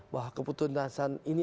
bahwa keputusan ini